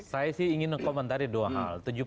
saya sih ingin mengkomentari dua hal